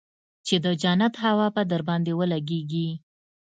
چې د جنت هوا به درباندې ولګېږي.